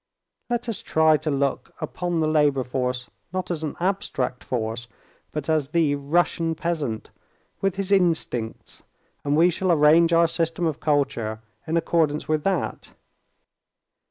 Let us try to look upon the labor force not as an abstract force, but as the Russian peasant with his instincts, and we shall arrange our system of culture in accordance with that.